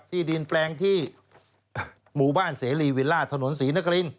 ที่ดินแปลงที่หมู่บ้านเสรีวิลล่าถนนศรีนคริน